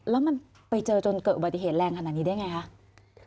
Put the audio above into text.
แล้วมันไปเจอจนเกิดอุบัติเหตุแรงขนาดนี้ได้ไงคะ